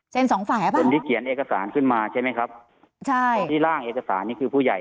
สองฝ่ายคนที่เขียนเอกสารขึ้นมาใช่ไหมครับใช่คนที่ล่างเอกสารนี่คือผู้ใหญ่